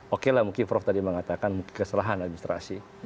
oke lah mungkin prof tadi mengatakan kesalahan administrasi